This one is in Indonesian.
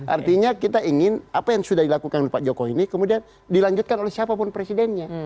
artinya kita ingin apa yang sudah dilakukan oleh pak jokowi ini kemudian dilanjutkan oleh siapapun presidennya